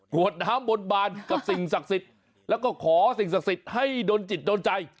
วดน้ำบนบานกับสิ่งศักดิ์สิทธิ์แล้วก็ขอสิ่งศักดิ์สิทธิ์ให้โดนจิตโดนใจ